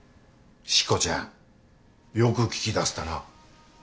しこちゃんよく聞き出せたな。